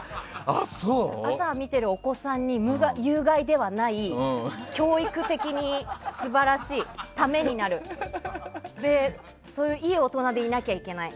朝見てるお子さんに有害ではない教育的に素晴らしいためになるそういういい大人でいなきゃいけない。